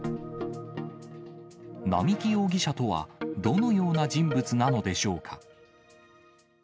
並木容疑者とは、どのような人物なのでしょうか。